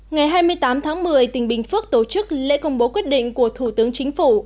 ngày hai mươi tám tháng một mươi tỉnh bình phước tổ chức lễ công bố quyết định của thủ tướng chính phủ